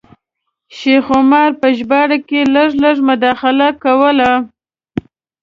شیخ عمر په ژباړه کې لږ لږ مداخله کوله.